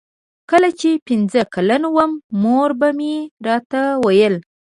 کله چې پنځه کلن وم مور به مې راته ویل.